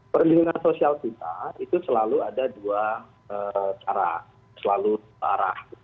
perlindungan sosial kita itu selalu ada dua arah